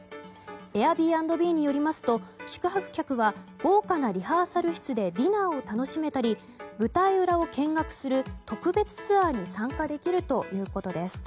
エアビーアンドビーによりますと宿泊客は豪華なリハーサル室でディナーを楽しめたり舞台裏を見学する特別ツアーに参加できるということです。